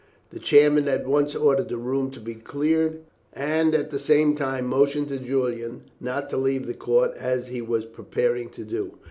The chairman at once ordered the room to be cleared, and at the same time motioned to Julian not to leave the court, as he was preparing to do.